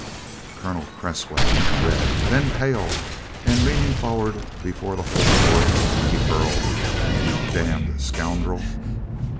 Colonel Cresswell went red, than pale, and leaning forward before the whole court, he hurled: "You damned scoundrel!"